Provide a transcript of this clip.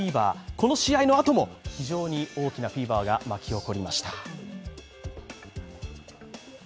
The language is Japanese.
この試合のあとも非常に大きなフィーバーが巻き起こりました。